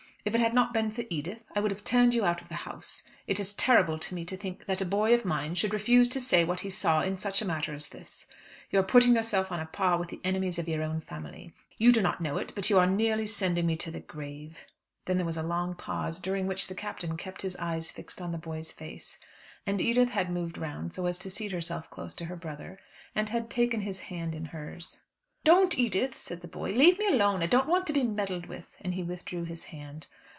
"If it had not been for Edith I would have turned you out of the house. It is terrible to me to think that a boy of mine should refuse to say what he saw in such a matter as this. You are putting yourself on a par with the enemies of your own family. You do not know it, but you are nearly sending me to the grave." Then there was a long pause, during which the Captain kept his eyes fixed on the boy's face. And Edith had moved round so as to seat herself close to her brother, and had taken his hand in hers. "Don't, Edith," said the boy. "Leave me alone, I don't want to be meddled with," and he withdrew his hand.